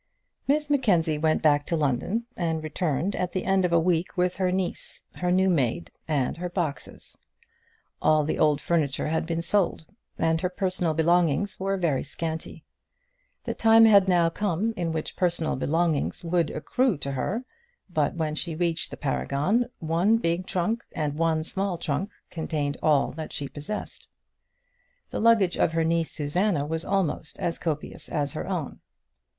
Miss Mackenzie went back to London, and returned at the end of a week with her niece, her new maid, and her boxes. All the old furniture had been sold, and her personal belongings were very scanty. The time had now come in which personal belongings would accrue to her, but when she reached the Paragon one big trunk and one small trunk contained all that she possessed. The luggage of her niece Susanna was almost as copious as her own.